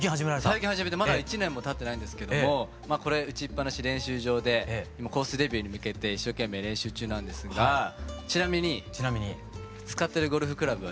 最近はじめてまだ１年もたってないんですけどもまあこれ打ちっぱなし練習場でコースデビューに向けて一生懸命練習中なんですがちなみに使ってるゴルフクラブはですね